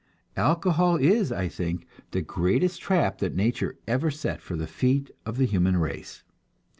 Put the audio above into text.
Alcohol is, I think, the greatest trap that nature ever set for the feet of the human race.